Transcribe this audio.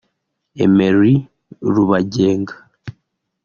Emery Rubagenga